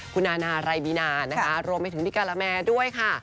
คุณนานาไรบีนานะคะรวมไปถึงพี่การาแมด้วยค่ะ